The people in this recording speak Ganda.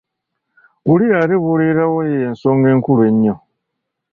Wulira ate bw’oleetawo eyo ensonga enkulu ennyo!